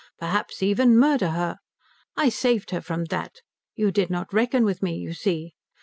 Perhaps even murder her? I saved her from that you did not reckon with me, you see.